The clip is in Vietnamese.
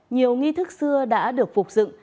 nhiều nghi thức xưa đã được phục dựng